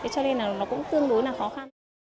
cho nên nó cũng tương đối khó khăn